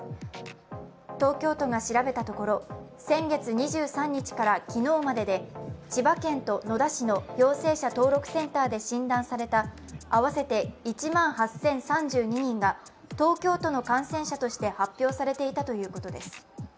東京都が調べたところ、先月２３日から昨日までで千葉県と野田市の陽性者登録センターで診断された合わせて１万８０３２人が東京都の感染者として発表されていたということです。